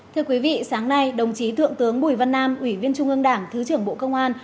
thưa quý vị sáng nay đồng chí thượng tướng bùi văn nam ủy viên trung ương đảng thứ trưởng bộ công an